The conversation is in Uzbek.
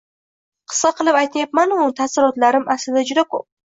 Qisqa qilib aytayapman-u, taassurotlarim aslida juda koʻp.